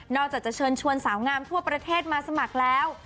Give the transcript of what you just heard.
อกจากจะเชิญชวนสาวงามทั่วประเทศมาสมัครแล้ว